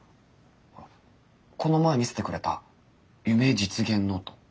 ほらこの前見せてくれた「夢・実現ノート」。